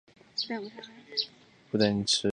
衿川区是大韩民国首都首尔特别市的一个区。